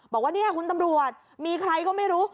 บอกว่าเนี่ยคุณตำรวจมีใครก็ไม่รู้